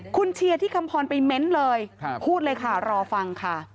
คุณเชียร์ที่คำพรไปเม้นเลยพูดเลยค่ะรอฟังค่ะ